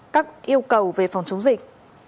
các yêu cầu về phòng chống dịch